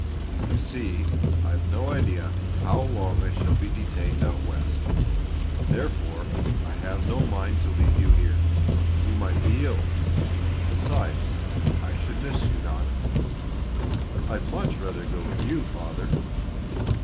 "You see I've no idea how long I shall be detained out West, therefore I have no mind to leave you here. You might be ill. Besides, I should miss you, Don." "I'd much rather go with you, father."